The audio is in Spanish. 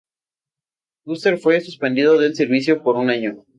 Custer fue suspendido del servicio por un año.